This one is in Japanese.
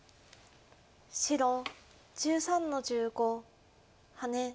白１３の十五ハネ。